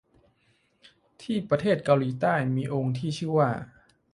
ที่ประเทศเกาหลีใต้มีองค์ที่ชื่อว่า